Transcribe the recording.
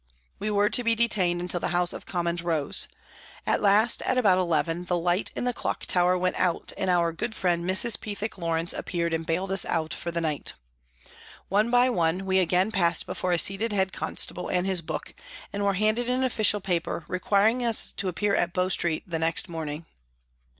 We were to be detained until the House of Commons rose. At last at about eleven the light in the Clock Tower went out and our good friend, Mr. Pethick Lawrence, appeared and bailed us out for the night. One by one we again passed before a seated head constable and his book, and were handed an official paper requiring us to appear at Bow Street the next morning.